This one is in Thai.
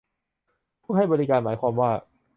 ผู้ให้บริการ หมายความว่า